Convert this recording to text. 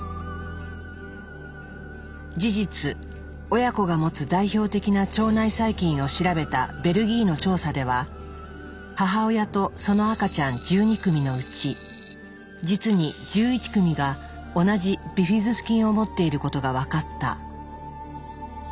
親子が持つ代表的な腸内細菌を調べたベルギーの調査では母親とその赤ちゃん１２組のうち実に１１組が同じビフィズス菌を持っていることが分かった。